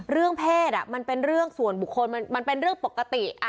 เรื่องเพศมันเป็นเรื่องส่วนบุคคลมันเป็นเรื่องปกติ